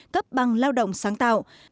cấp bằng lao động sáng tạo